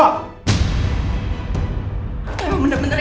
emang bener bener ya